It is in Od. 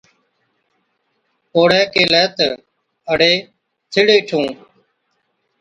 پوڙهَي ڪيهلَي تہ، ’اَڙي ٿِڙ اِٺُون،